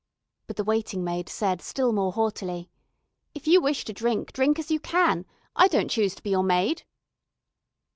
But the waiting maid said still more haughtily: "If you wish to drink, drink as you can, I don't choose to be your maid."